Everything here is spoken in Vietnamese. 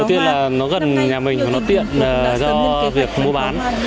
đầu tiên là nó gần nhà mình và nó tiện do việc mua bán